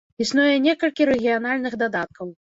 Існуе некалькі рэгіянальных дадаткаў.